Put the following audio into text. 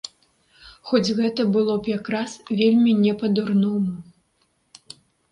Хоць гэта было б якраз вельмі не па-дурному.